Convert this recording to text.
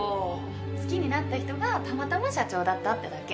好きになった人がたまたま社長だったってだけ。